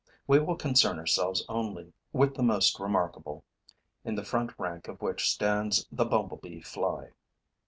We will concern ourselves only with the most remarkable, in the front rank of which stands the bumblebee Fly.